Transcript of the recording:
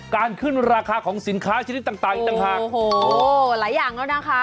การขึ้นราคาของสินค้าชนิดต่างโโหหลายอย่างแล้วนะคะ